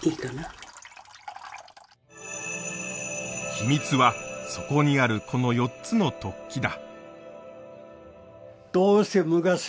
秘密は底にあるこの４つの突起だ。